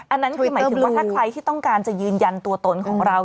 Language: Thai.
อันนั้นคือหมายถึงว่าถ้าใครที่ต้องการจะยืนยันตัวตนของเรา